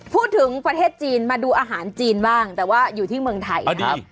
พูดถึงประเทศจีนมาดูอาหารจีนบ้างแต่ว่าอยู่ที่เมืองไทยนะครับ